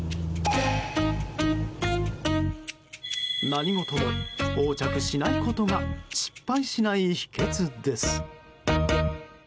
何事も横着しないことが失敗しない秘訣です。